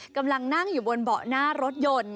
กำลังนั่งอยู่บนเบาะหน้ารถยนต์